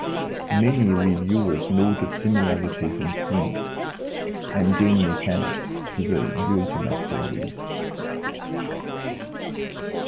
Many reviewers noted similarities in themes and game mechanics to the "Ultima" series.